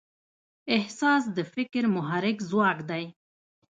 احساس د فکر محرک ځواک دی.